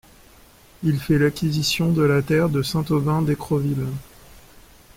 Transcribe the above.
Il fait l'acquisition de la terre de Saint-Aubin-d'Écrosville.